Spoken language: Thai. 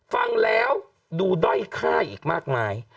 ฟังแล้วดูด้อยค่าอีกมากมาย